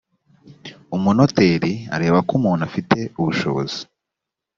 umunoteri areba ko umuntu afite ubushobozi